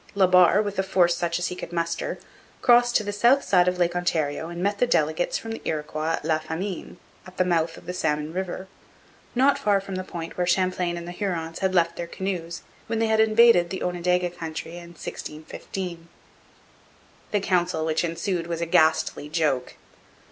La Barre, with a force such as he could muster, crossed to the south side of Lake Ontario and met the delegates from the Iroquois at La Famine, at the mouth of the Salmon River, not far from the point where Champlain and the Hurons had left their canoes when they had invaded the Onondaga country in 1615. The council which ensued was a ghastly joke.